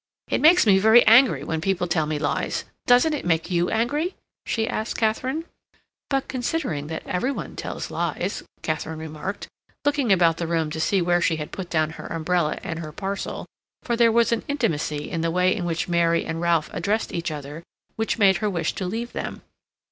"It makes me very angry when people tell me lies—doesn't it make you angry?" she asked Katharine. "But considering that every one tells lies," Katharine remarked, looking about the room to see where she had put down her umbrella and her parcel, for there was an intimacy in the way in which Mary and Ralph addressed each other which made her wish to leave them.